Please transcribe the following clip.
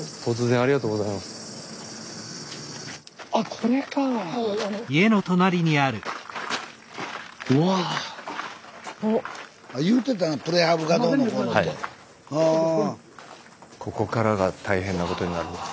ここからが大変なことになるんです。